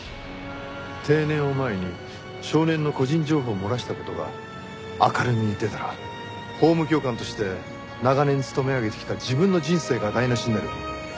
定年を前に少年の個人情報を漏らした事が明るみに出たら法務教官として長年勤め上げてきた自分の人生が台無しになる。